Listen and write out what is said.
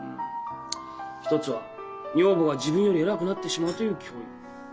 一つは女房が自分より偉くなってしまうという脅威。